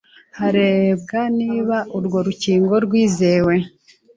harebwa niba urwo rukingo rwizewe